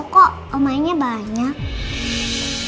kok omanya banyak